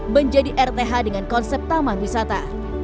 menjadi rth dengan konsep taman wisata